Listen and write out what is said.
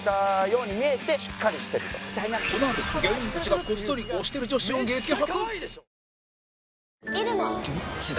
このあと芸人たちがこっそり推してる女子を激白